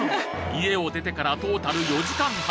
家を出てからトータル４時間半